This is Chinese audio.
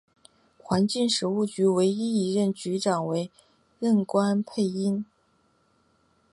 环境食物局唯一一任局长为任关佩英。